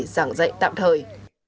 giảng dạy tạm thời